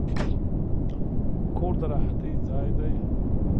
کور د راحتي ځای دی.